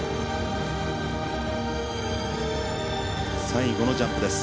最後のジャンプです。